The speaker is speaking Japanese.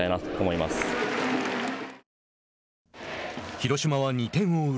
広島は２点を追う